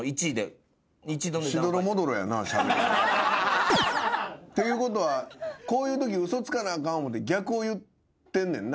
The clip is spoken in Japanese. しどろもどろやな。っていうことはこういうとき嘘つかなあかん思って逆を言ってんねんな。